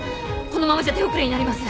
このままじゃ手遅れになります。